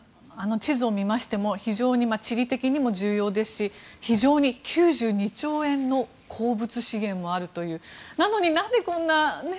地図を見ましても地理的にも重要ですし９２兆円の鉱物資源もあるというなのになぜこんな。